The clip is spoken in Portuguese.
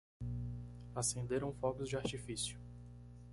Acenderam fogos de artifício.